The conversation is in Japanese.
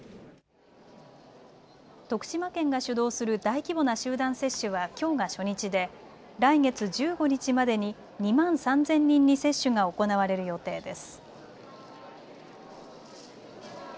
徳島県が主導する大規模な集団接種はきょうが初日で来月１５日までに２万３０００人に接種が行われる予定です。